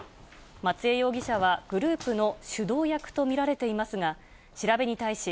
松江容疑者は、グループの主導役と見られていますが、調べに対し、